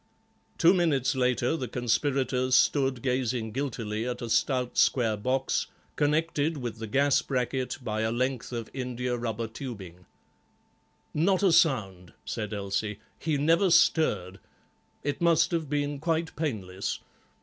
Two mornings later the conspirators stood gazing guiltily at a stout square box, connected with the gas bracket by a length of indiarubber tubing. "Not a sound," said Elsie; "he never stirred; it must have been quite painless.